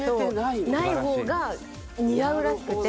ない方が似合うらしくて。